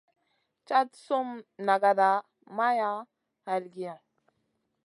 Cad sum nagada maya halgiy.